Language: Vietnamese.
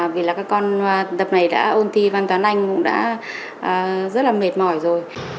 vì là các con tập này đã ôn ti văn toán anh cũng đã rất là mệt mỏi rồi